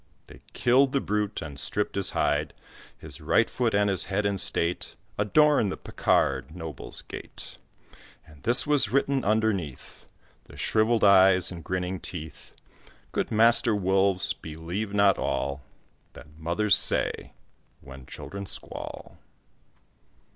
They killed the brute and stripped his hide; His right foot and his head in state Adorn the Picard noble's gate; And this was written underneath The shrivelled eyes and grinning teeth "Good Master Wolves, believe not all That mothers say when children squall."